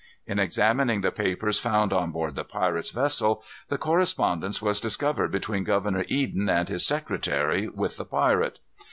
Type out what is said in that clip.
In examining the papers found on board the pirate's vessel, the correspondence was discovered between Governor Eden and his secretary with the pirate.